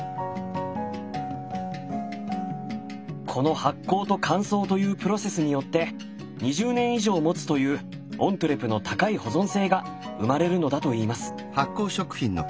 この発酵と乾燥というプロセスによって２０年以上もつというオントゥレの高い保存性が生まれるのだといいます。